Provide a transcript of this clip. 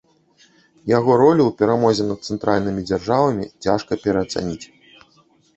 Яго ролю ў перамозе над цэнтральнымі дзяржавамі цяжка пераацаніць.